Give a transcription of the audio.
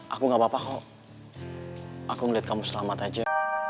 aku ngeliat kamu selamat aja